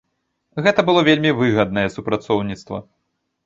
Гэта было вельмі выгаднае супрацоўніцтва.